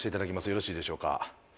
よろしいでしょうか？